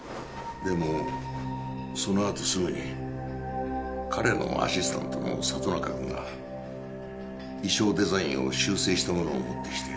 でもそのあとすぐに彼のアシスタントの里中くんが衣装デザインを修正したものを持ってきて。